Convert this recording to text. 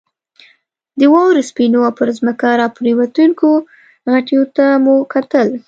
د واورې سپینو او پر ځمکه راپرېوتونکو غټیو ته مو کتل.